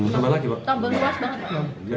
seberapa lagi pak